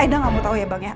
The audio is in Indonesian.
aida gak mau tau ya bang ya